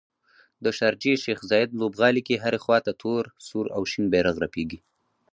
د شارجې شیخ ذاید لوبغالي کې هرې خواته تور، سور او شین بیرغ رپیږي